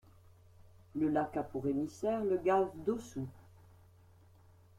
Le lac a pour émissaire le Gave d'Ossoue.